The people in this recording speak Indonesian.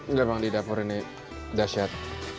enggak bang di dapur ini dasyat